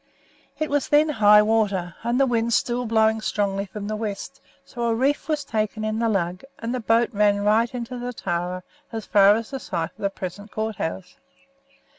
It was then high water, and the wind still blowing strongly from the west, so a reef was taken in the lug, and the boat ran right into the Tarra as far as the site of the present court house.